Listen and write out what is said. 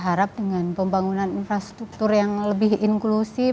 harap dengan pembangunan infrastruktur yang lebih inklusif